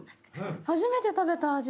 初めて食べた味だ。